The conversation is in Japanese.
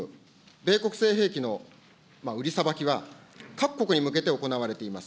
米国製兵器の売りさばきは、各国に向けて行われています。